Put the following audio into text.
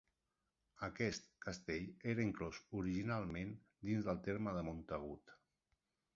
Aquest castell era inclòs originàriament dins del terme de Montagut.